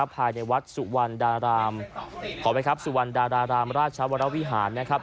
ภายในวัดสุวรรณดรามราชวรวิหารนะครับ